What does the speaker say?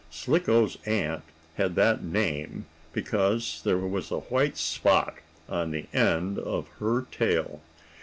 Slicko's aunt had that name because there was a white spot on the end of her tail.